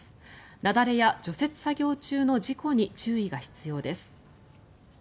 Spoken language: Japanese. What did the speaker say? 雪崩や除雪作業中の事故に注意が必要です。